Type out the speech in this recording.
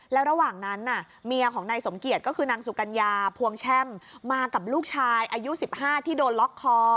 แล้วระหว่างนั้นเมียของนายสมเกียจก็คือนางสุกัญญาพวงแช่มมากับลูกชายอายุ๑๕ที่โดนล็อกคอ